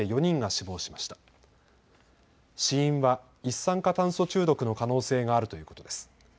死因は一酸化炭素中毒の可能性があるということです。